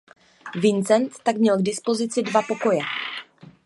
Vincent tak měl k dispozici dva pokoje.